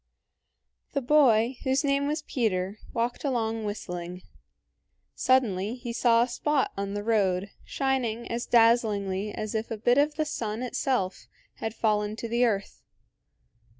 The boy, whose name was Peter, walked along whistling. Suddenly he saw a spot on the road shining as dazzlingly as if a bit of the sun itself had fallen to the earth.